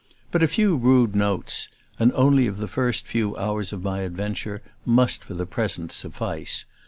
But a few rude notes, and only of the first few hours of my adventure, must for the present suffice.